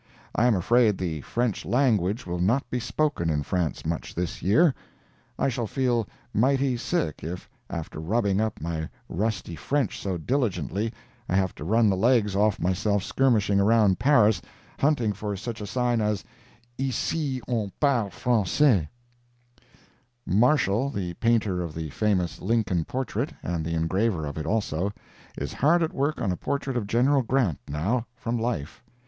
I am afraid the French language will not be spoken in France much this year. I shall feel mighty sick if, after rubbing up my rusty French so diligently, I have to run the legs off myself skirmishing around Paris, hunting for such a sign as "Ici on parle Francais." Marshall, the painter of the famous Lincoln portrait (and the engraver of it also), is hard at work on a portrait of General Grant, now, from life.